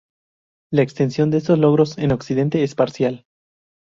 La extensión de estos logros en occidente es parcial.